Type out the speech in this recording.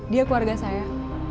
dia keluarga saya